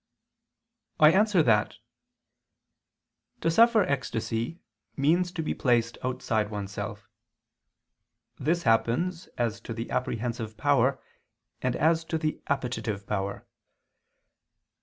I answer that, To suffer ecstasy means to be placed outside oneself. This happens as to the apprehensive power and as to the appetitive power.